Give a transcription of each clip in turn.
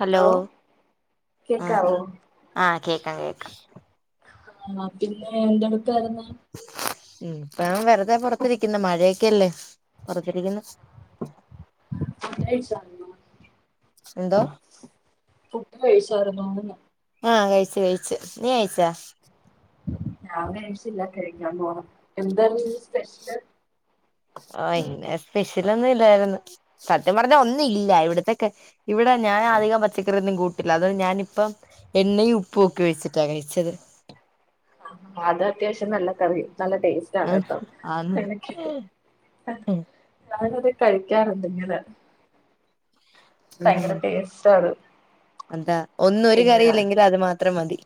Hello ആ കേക്കാവോ ആ കേ കേക്കാം ആ പിന്നെ എന്തണ് [unintelligible] ഇപ്പ വെറുതെ പൊറത്തിരിക്കുന്ന് മഴയെക്കെയല്ലേ പുറത്തിരിക്കുന്ന് കഴിച്ചരുന്നോ എന്തോ ഫു ട് കയിച്ചാർന്നോന്ന്? ആ കയിച്ച് കയിച്ച് നീ കയിച്ചാ? ഞാൻ കഴിച്ചില്ല കഴിക്കാൻ പോണം എന്താർന്ന് ഇന്ന് സ്പെഷ്യല് ആ ഇന്നെ സ്പെഷ്യലൊന്നും ഇല്ലാര്ന്നു സത്യം പറഞ്ഞ ഒന്നും ഇല്ല ഇവിടത്ത ഇവിടെ ഞാൻ അധികം പച്ചക്കറിയൊന്നും കൂട്ടില്ല അതോണ്ട് ഞാനിപ്പം എണ്ണയും ഉപ്പും ഒക്കെ വെച്ചിട്ടാ കഴിച്ചത് ആ അത് അത്യാവശ്യം നല്ല കറിയാ നല്ല ടേസ്റ്റ് ആണ് കേട്ടോ ആന്ന് എനിക്ക് [unintelligible] കഴിക്കാറുണ്ടിങ്ങനെ ഭയങ്കര ടേസ്റ്റാത് എന്താ ഒന്ന് ഒര് കറിയില്ലെങ്കിലത് മാ ത്ര മതി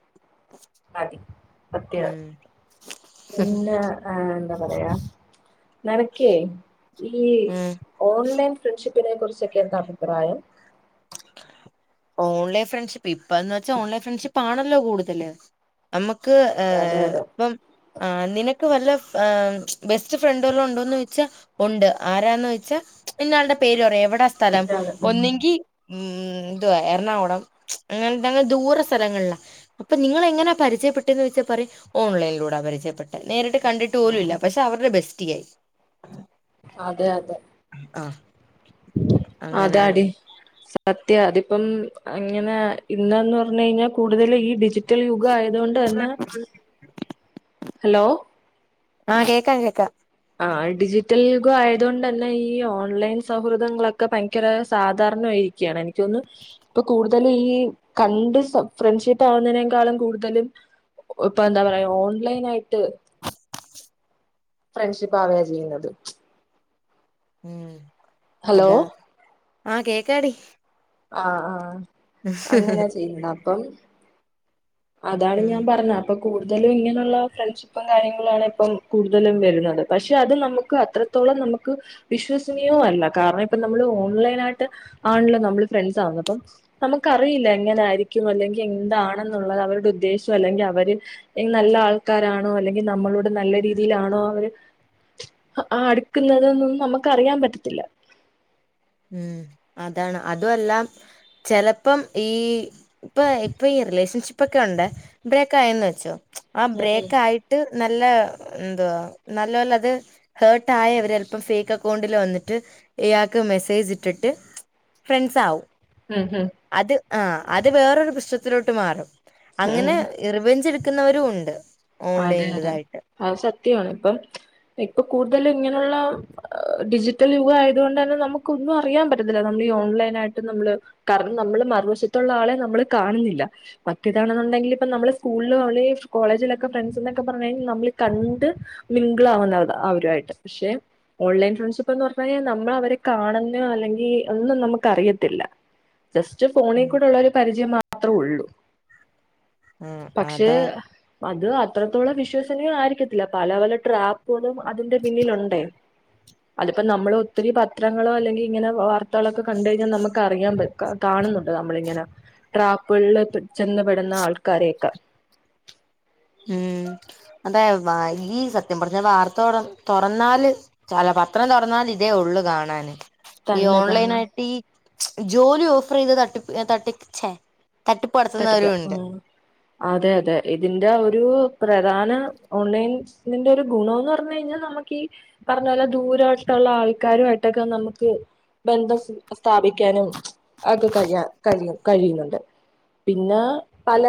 മതി പ്രത്യേക ഉം പിന്നെ ഏ എന്താ പറയാ നെനക്കേ ഈ ഉം ഓൺലൈൻ ഫ്രണ്ട്ഷിപ്പ് പ്പ്നെ കുറിച്ചൊക്കെ എന്താ അഭിപ്രായം ഓൺലൈൻ ഫ്രണ്ട്ഷിപ്പ് ഇപ്പന്ന് വച്ചാ ഓൺലൈൻ ഫ്രണ്ട്ഷിപ്പാണല്ലോ കൂട്തല് അമ്മക്ക് ഏ അതെ അതെ ഇപ്പം ആ നിനക്ക് വല്ല ആ ബെസ്റ്റ് ഫ്രണ്ടോന്നു ഉണ്ടോന്നോയിച്ചാ ഒണ്ട് ആരാന്നൊയിച്ചാ ഇന്നയാളുടെ പേര് പറയാ എവി ടെ സ്ഥലം ഒന്നിങ്കി ഉം എന്തുവാ എറണാകുളം അങ്ങന്ത്തങ്ങന് ദൂര സ്ഥലങ്ങള്ലാ അപ്പം നിങ്ങളെങ്ങനാ പരിചയപ്പെട്ടതോയിച്ചാ പറിം ഓൺലൈനിലൂടെ പരിചയപ്പെട്ടത് നേരിട്ട് കണ്ടിട്ട് പോലുല്ല പക്ഷെ അവര് ബെസ്റ്റിയായി അതെ അതെ ആഹ് അങ്ങനാണ് അതാടി സത്യ അതിപ്പം അങ്ങനെ ഇന്നന്ന് പറഞ്ഞഴിഞ്ഞാൽ കൂടുതൽ ഈ ഡിജിറ്റൽ യു ഗായതോണ്ട് തന്നെ ഹലോ ആ കേക്കാ ഞ്ഞ് കേക്കാ ആ ഡിജിറ്റൽ യുഗം ആയതോണ്ടന്നെ ഈ ഓൺലൈൻ സൗഹൃദങ്ങളൊക്കെ ഭയങ്കര സാധാരണായിരിക്കയാണ് എനിക്കോന്നു ഇപ്പൊ കൂടുതല് ഈ കണ്ട് സം ഫ്രണ്ട്ഷിപ്പ് ആവുന്നതിനേക്കാളും കൂടുതലും ഇപ്പൊ എന്താ പറയാ ഓൺലൈനായിട്ട് ഫ്രണ്ട്ഷിപ്പ് ആവാ ചെയ്യ്ന്നത് ഉം ഹലോ അതാ ആഹ് കേക്കാടി ആ ആ അങ്ങനാ ചെയ്യ്ന്നെ അപ്പം അതാണ് ഉം ഞാൻ പറഞ്ഞെ അപ്പം കൂടുതലും ഇങ്ങനുള്ള ഫ്രണ്ട്ഷിപ്പും കാര്യങ്ങളാണ് ഇപ്പം കൂടുതലും വരുന്നത്. പക്ഷെ അത് നമുക്ക് അത്രത്തോളം നമുക്ക് വിശ്വസനീയവും അല്ല കാരണം ഇപ്പ നമ്മള് ഓൺലൈനായിട്ട് ആണല്ലോ നമ്മള് ഫ്രണ്ട്സാവുക. അപ്പം നമുക്കറിയില്ല എങ്ങനായിരിക്കും അല്ലെങ്കിൽ എന്താണെ ഉള്ളത് അവരുടെ ഉദ്ദേശം അല്ലെങ്കിൽ അവര് നല്ല ആൾക്കാരാണോ അല്ലെങ്കിൽ നമ്മളോട് നല്ല രീതിയിലാണോ അവര് ആ അട്ക്ക്ന്നതൊന്നും നമ്മക്കറിയാൻ പറ്റത്തില്ല ഉം അതാണ് അതുവല്ലാ ചെലപ്പം ഈ ഇപ്പ ഇപ്പ ഈ റിലേഷൻഷിപ്പൊക്കെ ഒണ്ട് ബ്രേക്ക് ആയന്ന് വെച്ചോ ആ ഉം ബ്രേക്കായിട്ട് നല്ല എന്തുവാ നല്ലോലത്‌ ഹേർട്ടായി അവരെല്പ്പം ഫേക്ക് അക്കൗണ്ടില് വന്നിട്ട് ഇയാൾക്ക് മെ സേജ്ട്ട്ട്ട് ഫ്രണ്ട്സാവും ഉം ഉം ആ അത് വേറൊരു പ്രശ്നത്തിലോട്ട് മാറും ഉം അങ്ങനെ ഉം റിവഞ്ചെടു ക്കുന്നവരുണ്ട് അതെ അതെ അത് സത്യമാണ് ഇപ്പം ഇപ്പൊ കൂ ടുതലും ഇങ്ങനെയുള്ള ഡിജിറ്റൽ യുഗം ആയതോണ്ടന്നെ നമുക്കൊന്നും അറിയാ പറ്റത്തില്ല നമ്മൾ ഈ ഓൺലൈനായിട്ട് നമ്മള് കാരണം നമ്മള് മറുവശത്തുള്ള ആളെ നമ്മള് കാണ്ന്നില്ല മറ്റേതാണെന്നുണ്ടെങ്കിൽ ഇപ്പൊ നമ്മള് സ്കൂള് ഒളേജ് കോളജിലൊ ക്ക ഫ്രണ്ട്സ്ന്നൊക്കെ പറഞ്ഞഴി നമ്മൾ കണ്ട് മിങ്കിൾ ആവുന്നത അവരായിട്ട് ക്ഷെ ഓൺലൈൻ ഫ്രണ്ട്ഷിപ്പ് എന്ന് പറഞ്ഞാല് നമ്മള് അവരെ കാണുന്ന അല്ലെങ്കിൽ ഒന്നും നമ്മക്കറിയത്തില്ല ജസ്റ്റ് ഫോണിൽ ഉം കൂടെ ഉള്ളോരു പരിചയം മാത്രോള്ളൂ ആ പക്ഷേ അതാ അത് അത്രത്തോളം വിശ്വസനീയ ആയിരിക്കത്തില്ല പല പല ട്രാപ്പ്ക അതിന്റെ പിന്നിലുണ്ടേ അതിപ്പോ നമ്മൾ ഒത്തിരി പത്രങ്ങളോ അല്ലെങ്കിങ്ങനെ വാ ർത്തകളൊക്കെ കണ്ട്കഴിഞ്ഞാ നമ്ക്ക റിയാൻ പ ക കാണ്ന്ന്ണ്ട് നമ്മളിങ്ങനെ ട്രാപ്പ്കൾല് ചെന്ന് പെട്ന്ന ആൾക്കാരെയെക്ക ഉം അതെ വാ ഈ സത്യം പറഞ്ഞ വാർത്ത തൊർ തൊറന്നാല് ചെല പത്രം തൊറന്നാലിതേ ഒള്ളു കാണാന് ഈ തന്നെ തന്നെ ഓൺലൈനായിട്ടീ ജോലി ഓഫറെയ്ത് തട്ടിപ്പ് എ തട്ടി ച്ചേ തട്ടിപ്പ് ആ അതെ അതെ ഇതിന്റെ ഒ രു പ്രധാന ഓൺലൈൻ തിന്റെ ഒരു ഗുണോന്ന് പറഞ്ഞ്കഴിഞ്ഞാ നമക്കീ പറഞ്ഞപോലെ ദൂരമായിട്ടാെള്ള ആൾക്കാരുമായിട്ടൊക്കെ നമ്ക്ക് ബന്ധം സ് സ്ഥാപിക്കാനും ഒക്ക കഴിയാ കഴിയും കഴിയുന്ന്ണ്ട് പിന്നാ പല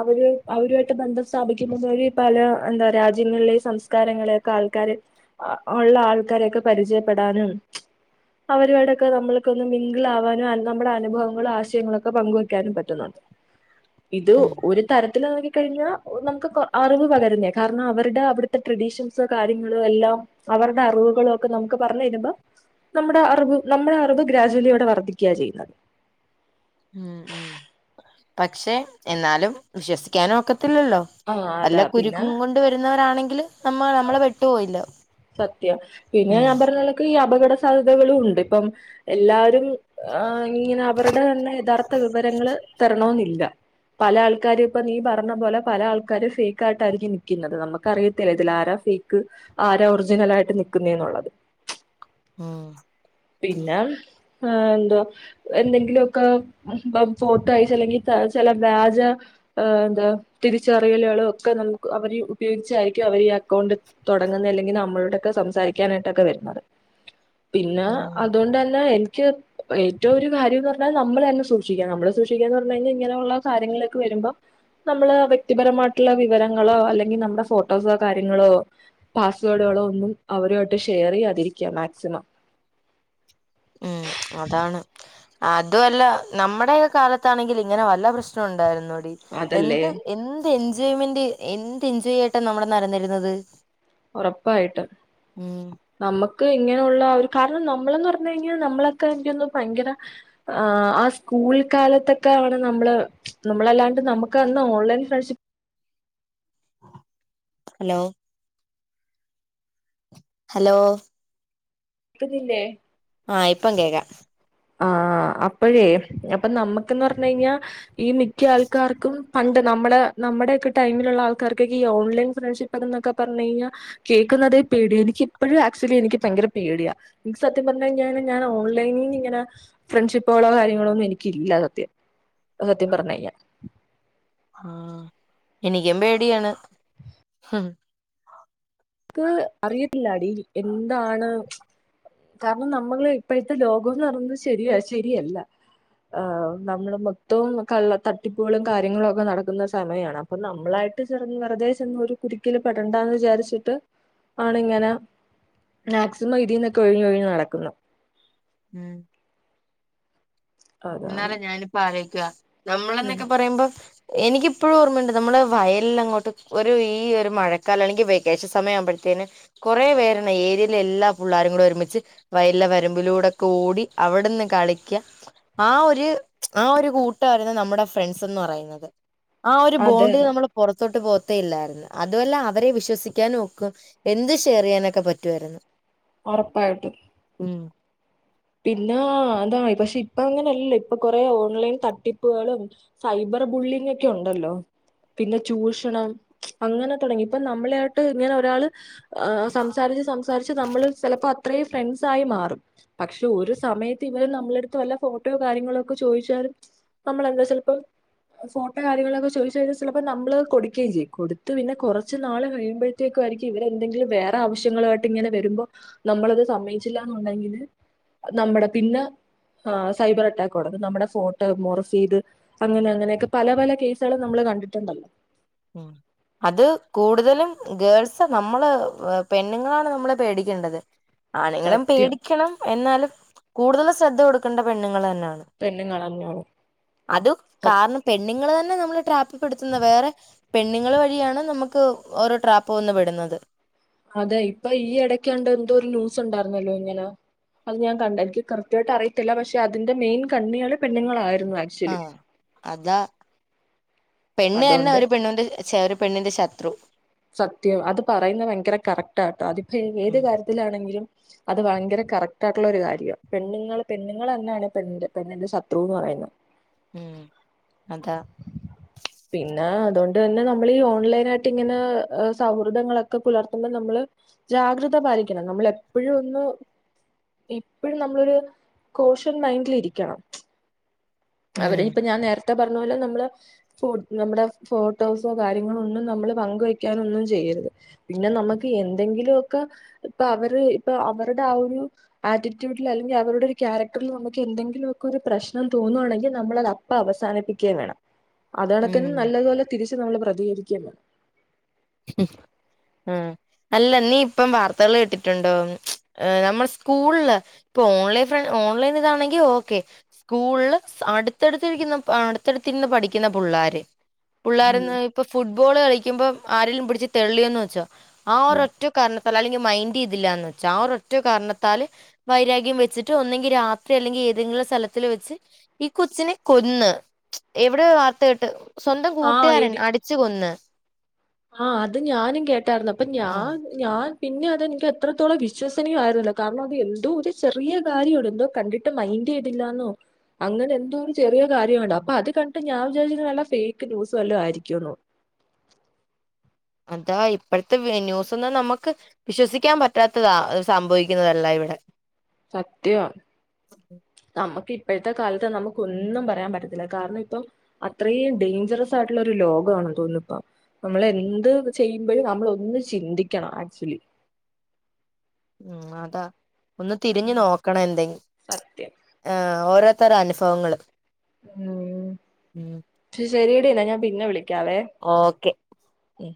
അവര് അവരു ആയിട്ട് ബന്ധം സ്ഥാപിക്കുമ്പ്മ്പോല് പല എന്താ രാജ്യങ്ങൾലെ സംസ്കാരങ്ങളെയൊക്കെ ആൾക്കാര് അ ഒള്ള ആൾക്കാരെയൊക്കെ പരിചയപ്പെടാനും അവരുമായിടെക്കെ നമ്മൾക്കൊന്ന് മിംഗ്ളാവാനും അ നമ്മ്ടെ അനുഭവങ്ങളും ആശയങ്ങളൊക്കെ പങ്കുവയ്ക്കാനും പറ്റുന്നുണ്ട് ഇത് ഉം ഒര് തരത്തിലതൊ കഴിഞ്ഞാ ഒ നമ്ക്ക് കൊ അറിവ് പകരുന്നേയ കാരണം അവര്ടെ അവിട്ത്തെ ട്രഡീഷൻസ് കാര്യങ്ങള് എല്ലാം അവർടെ അറിവ്കളൊക്കെ നമുക്ക് പറഞ്ഞ്ര്മ്പോ നമ്മ്ടെ അറിവ് നമ്മ്ടെ അറിവ് ഗ്രാജ്വലി അവ്ടെ വർദ്ധിക്ക്യാ ചെയ്യ്ന്നത് ഉം ഉം പക്ഷെ എന്നാലും വിശ്വസിക്കാനാെക്കെ ത്തില്ലല്ലോ ആ അതാ വല്ല പിന്നെ കുരുക്കും കൊണ്ട് വരുന്നവരാണെങ്കി ങ്കില് നമ്മ നമ്മളെ പെട്ടു പോയില്ലൊ സത്യം പിന്നെ ഞാൻ പർഞ്ഞലക്ക് ഈ അപകട സാധ്യതകളുണ്ട് ഇപ്പം എല്ലാ ആഹ് ഇങ്ങനെ അവരുടെ തന്നെ യഥാർത്ഥ വിവരങ്ങള് തരണോന്നില്ല പല ആൾക്കാരുപ്പ നീ പറഞ്ഞ പോലെ പല ആൾക്കാരും ഫേക്കായിട്ടായിരിക്കും നിക്കുന്നത് നമുക്കറിയത്തില്ല ഇതിലാരാ ഫേക്ക് ആര് ഒറിജിനലായിട്ട് നിക്കുന്നെന്നുള്ളത് ഉം പിന്നെ ഏന്തോ എന്തെങ്കിലൊക്കെ ഫോട്ടോ അയച്ചല്ലെങ്കി ച ചെല വ്യാജ എന്താ തിരിച്ചറിയലുകളും ഒക്കെ നമു അവർ ഉപയോഗിച്ചായിരിക്കും അവര് ഈ അക്കൗണ്ട് തൊടങ്ങുന്നലെ ഞ് നമ്മളോടൊക്കെ സംസാരിക്കാനായിട്ടൊക്കെ വര്ന്നത് പിന്നെ ഉം അതുകൊണ്ടന്നെ എ ക്ക്യ ഏറ്റവും ഒരു കാര്യംന്ന് പർഞ്ഞാൽ നമ്മളന്നെ സൂക്ഷിക്കണം നമ്മൾ സൂക്ഷിക്കാന്നർഞ് കയ്ഞ്ഞാ ഇങ്ങനുള്ള കാര്യങ്ങളിലേക്ക് വരുമ്പം നമ്മള് വ്യക്തിപരമായിട്ടുള്ള വിവരങ്ങളോ അല്ലെങ്കിൽ നമ്മടെ ഫോട്ടോസോ കാര്യങ്ങളോ പാസ് വേഡുകളോ ഒന്നും അവരൊയിട്ട് ഷെയർ ചെയ്യാതിരിക്കാം മാക്സിമം അതു അല്ല നമ്മടെക്കെ കാലത്താണെങ്കിൽ ഇങ്ങനെ വല്ല പ്രശ്നു ണ്ടായിരുന്നൊടി അതല്ലേ എന്ത് എന്ത് എൻജോയ്മെന്റ് എന്ത് എൻജോയ് ആയിട്ടാ നമ്മടെ നടന്നിരുന്നത് ഉറപ്പായിട്ടും. ഉം നമു ക്ക് ഇങ്ങനെയുള്ള ഒരു കാരണം നമ്മളന്ന് പറഞ്ഞു കഴിഞ്ഞാ നമ്മളൊക്കെ എനിക്ക് തോന്നുന്നു ഭയങ്കര ആഹ്, ആ സ്കൂൾ കാലത്തൊക്കെ ആണ് നമ്മള് നമ്മളല്ലാണ്ട് നമുക്കന്ന് ഓൺലൈൻ ഫ്രണ്ട്ഷി ഹലോ ഹലോ [unintelligible] ആഹ് ഇപ്പം കേക്കാം ആഹ് അപ് പ്പഴേ അപ്പൊ നമ്മ ന്ന് പറഞ്ഞ കഴിഞ്ഞാൽ ഈ മിക്ക ആൾക്കാർക്കും പണ്ട് നമ്മുടെ നമ്മുടെയ ഒക്കെ ടൈമിലുള്ള ആൾക്കാർക്കൊക്കെ ഈ ഓൺലൈൻ ഫ്രണ്ട്ഷിപ്പ് എന്നൊക്കെ പറഞ്ഞ കഴിഞ്ഞാൽ കേൾക്കുന്നതേ പേടിയ എനിക്ക ഇപ്പോഴും ആക്ച്വലി എനിക്ക് ഭയങ്കര പേടിയാ എനിക്ക് സത്യം പറഞ്ഞ കഴിഞ്ഞാ ഞാൻ ഓൺലൈനി ഇങ്ങനെ ഫ്രണ്ട്ഷിപ്പുകളോ കാര്യങ്ങളോ ഒന്നും എനിക്കല്ല സത്യം അ സത്യം പറഞ്ഞ കഴിഞ്ഞാൽ ആഹ എനിക്കും പേടിയാണ് ഉ നക്ക് അറിയത്തില്ല അടി എന്താണ് കാരണം നമ്മള് ഇപ്പോഴത്തെ ലോകംന്ന് പറയുന്നത് ശരിയ ശരിയല്ല ആ നമ്മള് മൊത്തവും കള്ള തട്ടിപ്പുകളും കാര്യങ്ങളും ഒക്കെ നടക്കുന്ന സമയമാണ് അപ്പൊ നമ്മളായിട്ട് ചെറ വെറുതെ ചെന്ന് ഒരു കുരുക്കില് പെടേണ്ടന്ന് വിചാരിച്ചിട്ട് ആണ് ഇങ്ങനെ മാക്സിമം ഇതിൽന്നൊക്കെ ഒഴിഞ്ഞ് ഒഴിഞ്ഞഞ് നടക്കുന്നു ഉം അതാണ് എന്നാല ഞാനിപ്പോ ആലോക്കുക നമ്മള ഉം എന്നൊക്കെ പറയുമ്പോ എനിക്കിപ്പോഴും ഓർമ്മയുണ്ട് നമ്മള് വയല അങ്ങോട്ട് ഒരു ഈ ഒരു മഴക്കാലം ആണെങ്കിൽ വെക്കേഷൻ സമയ ആവുമ്പോഴത്തേനന് കുറെേ പേരാണ് ഏരിയയിലെ എല്ലാ പിള്ളാരും കൂടെ ഒരുമിച്ച് വയലിലെ വരുമ്പിലൂടെൊക്കെ ഓടി അവിടെന്ന് കളിക്ക ആ ഒരു ആ ഒരു കൂട്ട മായിരുന്നു നമ്മുടെ ഫ്രണ്ട്സ്ന്ന് പറയുന്നത് ആ ഒരു അതെ ബോണ്ട് അതെ നമ്മൾ പുറത്തോട്ട് പോ ത്തില്ലായിരുന്നു അതുമല്ല അവരെ വിശ്വസിക്കാനും ഒക്കും എന്തും ഷെയർ ചെയ്യാനൊക്കെ പറ്റുവായിരുന്നു ഉറപ്പായിട്ടും ഉം പിന്ന അതാ പക്ഷെ ഇപ്പ അങ്ങനെയല്ല ഇപ്പൊ കൊറേ ഓൺലൈൻ തട്ടിപ്പുകളും സൈബർ ബുള്ളിങ് ഒക്കെ ഉണ്ടല്ലോ പിന്നെ ചൂഷണം അങ്ങനെ തുടങ്ങി ഇപ്പൊ നമ്മളെ ആയിട്ട് ഇങ്ങനെ ഒരാള് ആ സംസാരിച്ച് സംസാരിച്ച് നമ്മള് ചിലപ്പോ അത്രേ ഫ്രണ്ട്സായി മാറും പക്ഷെ ഒരു സമയത്ത് ഇവര് നമ്മളെടുത്ത് വല്ല ഫോട്ടോ കാര്യങ്ങളോ ഒക്കെ ചോദിച്ചാലും നമ്മളെന്താ ചിലപ്പോ ഫോട്ടോ കാര്യങ്ങളൊക്കെ ചോദിച്ച് കഴിഞ്ഞാ ചിലപ്പോ നമ്മള് കൊടുക്കുകയും ചെയ്യും കൊടുത്ത് പിന്നെ കുറച്ച് നാള് കഴിയുമ്പോഴത്തേക്കും ആയിരിക്കും ഇവരെന്തെങ്കിലും വേറെ ആവശ്യങ്ങളു ആയിട്ട് ഇങ്ങനെ വരുമ്പോ നമ്മളത് സമ്മയിച്ചില്ലന്നുണ്ടെങ്കില് നമ്മുടെ പിന്നെ ആ സൈബർ അറ്റാക്ക് തൊടങ്ങും നമ്മുടെ ഫോട്ടോ മൊർഫെയ്ത് അങ്ങനെ അങ്ങനെയൊക്കെ പല പല കേസുകളും നമ്മള് കണ്ടിട്ടുണ്ടല്ലോ അത് കൂടുതലും ഗേൾസ് നമ്മള് പെണ്ണുങ്ങളാണ് നമ്മളെ പേടിക്കേണ്ടത് ആണുങ്ങളേം സത്യം പേടിക്കണം എന്നാലും കൂടുതൽ ശ്രദ്ധ കൊടുക്കേണ്ട പെണ്ണുങ്ങള് തന്നെയ പെണ്ണുങ്ങളെന്നെയാണ് അത് കാരണം പെണ്ണുങ്ങള് നമ്മള് ട്രാപ്പിൽപ്പെടുത്തുന്ന വേറെ പെണ്ണുങ്ങള് വഴിയാണ് നമുക്ക് ഓരോ ട്രാപ്പ് വന്ന് പെടുന്നത് അതെ ഇപ്പൊ ഈ ഇടക്കാണ്ട് എന്തോ ഒരു ന്യൂസ് ഉണ്ടായിരുന്നല്ലോ ഇങ്ങനെ അത് ഞാൻ കണ്ട എനിക്ക് കറക്റ്റായിട്ട് അറയിത്തില്ല പക്ഷെ അതിന്റെ മെയിൻ കണ്ണികള് പെണ്ണുങ്ങളായിരുന്നു ആ ആക്ച്വലി അതാ പെണ്ണു തന്നെ അതുകൊണ്ട് ഒരു പെണ്ണുന്റെ പെണ്ണിന്റെ ശത്രു സത്യം അത് പറയുന്നത് ഭയങ്കര കറക്റ്റ് ആട്ടോ അതിപ്പോ ഏത് ഉം കാര്യത്തിലാണെങ്കിലും അത് ഭയങ്കര കറക്റ്റ് ആയിട്ടുള്ള ഒരു കാര്യാ പെണ്ണുങ്ങള് പെണ്ണുങ്ങളെ തന്നാണ് പെണ്ണിന്റെ ശത്രു എന്ന് പറയുന്നത് ഉം അത അത് തന്നെ നമ്മൾ ഈ ഓൺലൈൻ ആയിട്ട് ഇങ്ങനെ സൗഹൃദങ്ങളൊക്കെ പുലർത്തുമ്പോൾ നമ്മള് ജാഗ്രത പാലിക്കണം നമ്മൾ എപ്പോഴും ഒന്ന് എപ്പോഴും നമ്മളൊരു കോഷൻ മൈൻഡിലിരിക്കണം അവരെ ഉം ഇപ്പ ഞാൻ നേത്തെ ത്തെ പറഞ്ഞ പോലെ നമ്മള് നമ്മുടെ ഫോട്ടോസോ കാര്യങ്ങളോ ഒന്നും നമ്മള് പങ്കുവയ്ക്കാനൊന്നും ചെയ്യരുത് പിന്നെ നമ്മക്ക് എന്തെങ്കിലുഒക്കെ ഇപ്പൊ അവര് ഇപ്പൊ അവരുടെ ആ ഒരു ആറ്റിറ്റ്യൂഡിൽ അല്ലെങ്കിൽ അവരുടെ ഒരു ക്യാരക്ടറിൽ നമുക്ക് എന്തെങ്കിലുഒക്കെ ഒരു പ്രശ്നം തോന്നുവാണെങ്കിൽ നമ്മളതപ്പ അവസാനിപ്പിക്കേം വേണം അത്കണക്കിന് ഉം നല്ലതുപോലെ തിരിച്ച് നമ്മള് പ്രതികരിക്കാ ആ അല്ല നീ ഇപ്പം വാർത്തകള് കേട്ടിട്ടുണ്ടോ നമ്മൾ സ്കൂളില് ഇപ്പൊ ഓൺലൈൻ ഫ്ര ഓൺലൈൻ ഇതാണെങ്കി ഓക്കെ സ്കൂളില് അടുത്തടുത്തിരിക്കുന്ന അടുത്തടുത്തിരുന്ന് പഠിക്കുന്ന പുള്ളാര് പുള്ളോര്ന്ന് ഇപ്പൊ ഫുട്ബോള് കളിക്കുമ്പം ആരേലും പിടിച്ച് തെള്ളിയോന്ന് വെച്ചോ ആ ഉം ഒരറ്റ കാരണത്താൽ അല്ലെങ്കിൽ മൈൻഡ് ചെയ്തില്ലാന്ന് വെച്ചാ ആ ഒരറ്റ കാരണത്താല് വൈരാഗ്യം വെച്ചിട്ട് ഒന്നെങ്കി രാത്രി അല്ലെങ്കിൽ ഏതെങ്കിലും സ്ഥലത്തില് വെച്ച് ഈ കൊച്ചിനെ കൊന്ന് എവിടെ വാർത്ത കേട്ട് സ്വന്തം കൂട്ടുകാരൻ അടിച്ചു കൊന്ന് ആഹ് അത് ഞാനും കേട്ട ട്ടാർന്നു അപ്പൊ ആ ഞാൻ ഞാൻ പിന്നെ അത് എനിക്ക് എത്രത്തോളം വിശ്വസനീയ ആരുന്നോ കാരണം അത് എന്തോ ഒരു ചെറിയ കാര്യമുണ്ട് എന്തോ കണ്ടിട്ട് മൈൻഡ് ചെയ്തില്ലാന്നോ അങ്ങനെ എന്തോ ഒരു ചെറിയ കാര്യുണ്ട അപ്പൊ അത് കണ്ടിട്ട് ഞാൻ വിചാരിച്ച നല്ല ഫേക്ക് ന്യൂസ് വല്ല ആയിരിക്കുന്നു അതാ ഇപ്പോഴത്തെ ന്യൂസ് ഒന്നും നമുക്ക് വിശ്വസിക്കാൻ പറ്റാത്തതാ സംഭവിക്കുന്നതല്ല ഇവിടെ സത്യം നമുക്കി പ്പോഴത്തെ കാലത്ത് നമുക്കൊന്നും പറയാൻ പറ്റത്തില്ല. കാരണം ഇപ്പം അത്രയും ഡേഞ്ചറസ് ആയിട്ടുള്ളൊ ഒരു ലോകണ തോന്നുന്നുപ്പ നമ്മൾ എന്ത് ചെയ്യുമ്പോഴും നമ്മള ഒന്ന് ചിന്തിക്കണം ആക്ച്വലി ഉം അതാ ഒന്ന് തിരിഞ്ഞു നോക്കണ എന്തെ സത്യം. ആ ഓരോ ഇത്തരം അനുഫവങ്ങൾ ഉം ശരി ടി എന്നാ ഞാൻ പിന്നെ വിളി ക്കാവേ ഓക്കെ ഉം